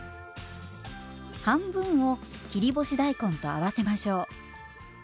半分を切り干し大根と合わせましょう。